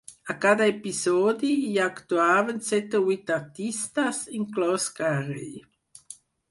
A cada episodi hi actuaven set o vuit artistes, inclòs Carey.